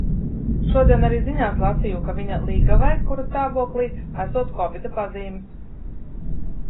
Šodien arī ziņās lasīju, ka viņa līgavai, kura stāvoklī, esot kovida pazīmes.